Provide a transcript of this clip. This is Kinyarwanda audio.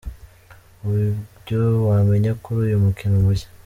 Ibyo wamenya kuri uyu mukino mushya… .